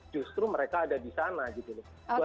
justru mereka ada di sana gitu loh